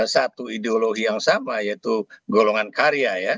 satu ideologi yang sama yaitu golongan karya ya